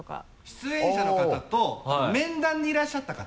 出演者の方と面談にいらっしゃった方。